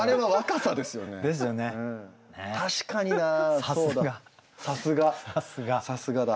さすがだ。